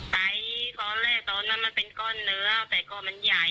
ไอ้ตอนแรกตอนนั้นมันเป็นก้อนเนื้อแต่ก้อนมันใหญ่